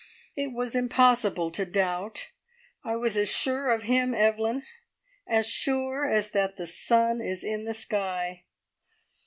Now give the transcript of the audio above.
It was impossible to doubt. I was as sure of him, Evelyn as sure as that the sun is in the sky!